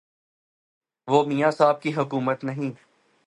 یہ میاں صاحب کی حکومت نہیں